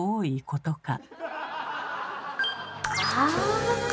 ああ！